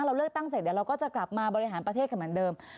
เราเลือกตั้งเสร็จเดี๋ยวเราก็จะกลับมาบริหารประเทศกันเหมือนเดิม